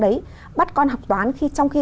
đấy bắt con học toán trong khi